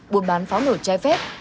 buôn bán pháo nổ chai phép